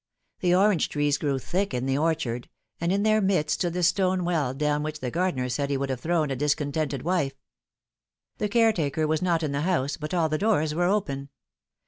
The orange trees grew thick in the orchard, and in their midst stood the stone well down which the gardener said he would have thrown a discontented wife. The caretaker was not in the house, but all the doors were open.